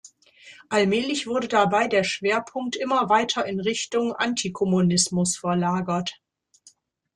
Allmählich wurde dabei der Schwerpunkt immer weiter in Richtung Antikommunismus verlagert.